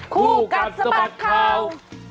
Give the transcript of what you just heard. คู่กัดสะบัดข่าว